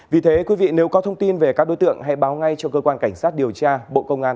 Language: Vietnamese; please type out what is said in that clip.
vì thế quý vị nếu có thông tin về các đối tượng hãy báo ngay cho cơ quan cảnh sát điều tra bộ công an